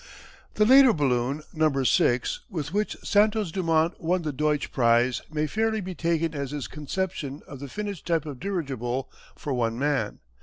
The later balloon "No. VI." with which Santos Dumont won the Deutsch prize may fairly be taken as his conception of the finished type of dirigible for one man.